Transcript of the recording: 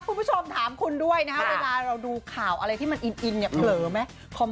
คุณผู้ชมถามคุณด้วยนะครับเวลาเราดูข่าวอะไรที่มันอินเนี่ยเผลอไหม